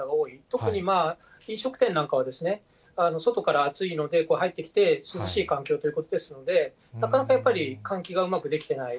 特に飲食店なんかは外から暑いので、入ってきて、涼しい環境ということですので、なかなかやっぱり、換気がうまくできてない。